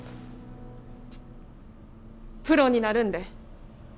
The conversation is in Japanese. プロになるんで。